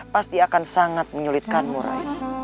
pasti akan sangat menyulitkanmu rahim